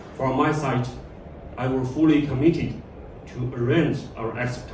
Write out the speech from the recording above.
dari sisi saya saya akan bersemangat untuk mengatur kemampuan kita